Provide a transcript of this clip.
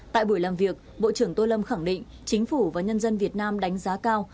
tại buổi làm việc bộ trưởng tô lâm khẳng định chính phủ và nhân dân việt nam đánh giá cao